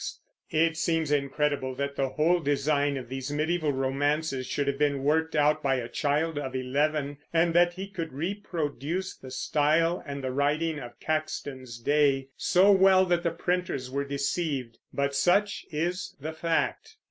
It seems incredible that the whole design of these mediæval romances should have been worked out by a child of eleven, and that he could reproduce the style and the writing of Caxton's day so well that the printers were deceived; but such is the fact.